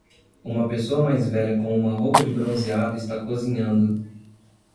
Uma pessoa mais velha com uma roupa de bronzeado está cozinhando.